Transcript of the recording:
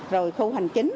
rồi khu hành chính